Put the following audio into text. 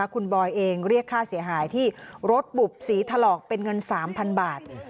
คุณบอยเองเรียกค่าเสียหายที่รถบุบสีถลอกเป็นเงิน๓๐๐บาท